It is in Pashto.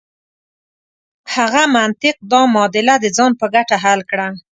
هغه منطق دا معادله د ځان په ګټه حل کړه.